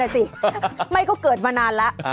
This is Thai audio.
หายคนน่ะสิไม่ก็เกิดมานานละ